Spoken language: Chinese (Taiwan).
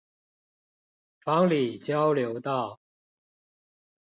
房裡交流道